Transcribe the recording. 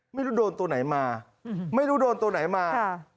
ไม่รู้โดนตัวไหนมาไม่รู้โดนตัวไหนมา